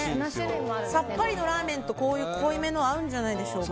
さっぱりのラーメンと濃いめの合うんじゃないでしょうか。